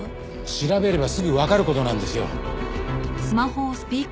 調べればすぐわかる事なんですよ。